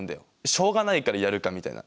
「しょうがないからやるか」みたいな。